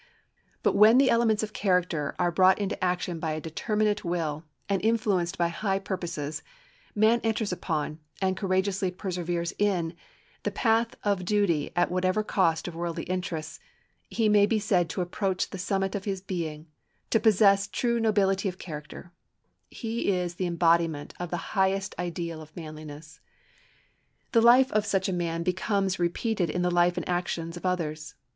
But when the elements of character are brought into action by a determinate will, and influenced by high purposes, man enters upon, and courageously perseveres in, the path of duty at whatever cost of worldly interests, he may be said to approach the summit of his being—to possess true nobility of character; he is the embodiment of the highest idea of manliness. The life of such a man becomes repeated in the life and actions of others.